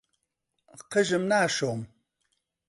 قژم ناشۆم.